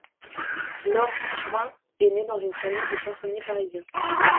Lors Jouin est né dans une famille de chansonniers parisiens.